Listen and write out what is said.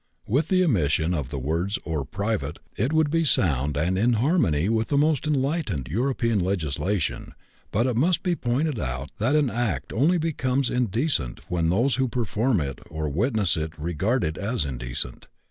With the omission of the words "or private," it would be sound and in harmony with the most enlightened European legislation; but it must be pointed out that an act only becomes indecent when those who perform it or witness it regard it as indecent.